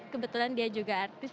kebetulan dia juga artis